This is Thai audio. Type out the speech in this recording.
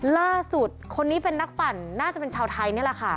ล่าสุดคนนี้เป็นนักปั่นน่าจะเป็นชาวไทยนี่แหละค่ะ